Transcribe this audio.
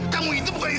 kamu harus berhati hati